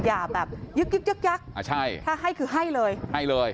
อย่าแบบยึกยักถ้าให้คือให้เลย